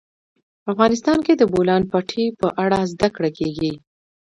افغانستان کې د د بولان پټي په اړه زده کړه کېږي.